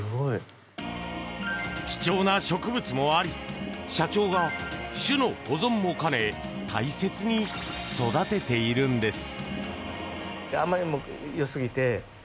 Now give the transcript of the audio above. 貴重な植物もあり社長が種の保存も兼ね大切に育てているんです。